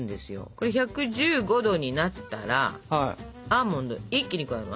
これ１１５℃になったらアーモンドを一気に加えます。